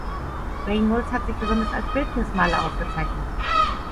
Reynolds hat sich besonders als Bildnismaler ausgezeichnet.